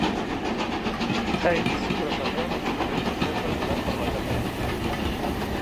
Haynes preferia un enfocament més mesurat per batejar.